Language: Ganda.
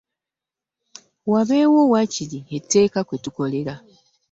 Wabeewo waakiri etteeka kwe tukolera.